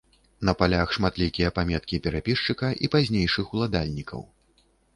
На палях шматлікія паметкі перапісчыка і пазнейшых уладальнікаў.